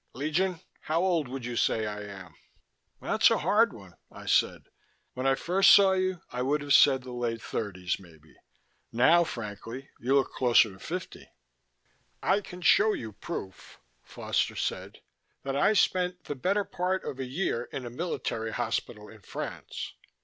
"Legion, how old would you say I am?" "That's a hard one," I said. "When I first saw you I would have said the late thirties, maybe. Now, frankly, you look closer to fifty." "I can show you proof," Foster said, "that I spent the better part of a year in a military hospital in France.